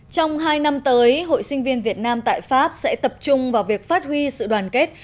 trong hai năm tới hội sinh viên việt nam tại pháp sẽ tập trung vào việc phát huy sự đoàn kết